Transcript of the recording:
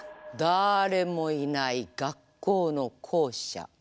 だれもいない学校の校舎。